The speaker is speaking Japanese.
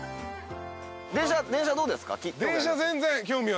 電車どうですか？